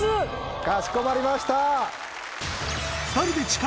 かしこまりました。